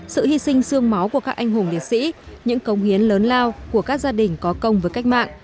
sự hy sinh sương máu của các anh hùng liệt sĩ những công hiến lớn lao của các gia đình có công với cách mạng